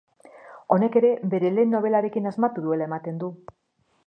Honek ere bere lehen nobelarekin asmatu duela ematen du.